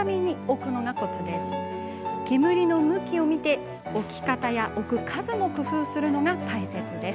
煙の向きを見て、置き方や置く数を工夫するのが大切です。